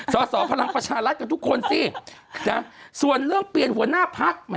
สสพลังประชารัฐกับทุกคนสินะส่วนเรื่องเปลี่ยนหัวหน้าพัก